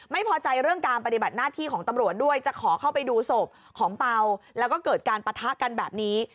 ไม่พอใจเรื่องการปฏิบัติหน้าที่ของตำรวจด้วยจะขอเข้าไปดูศพของเปล่าแล้วก็เกิดการปะทะกันแบบนี้